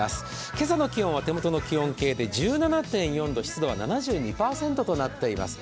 今朝の気温は手元の気温計で１７．４度湿度は７２％となっています。